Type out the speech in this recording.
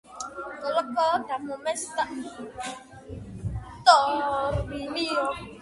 სიმონ დე ბოვუარი: ინტელექტუალი ქალის შექმნა — ტორილ მოი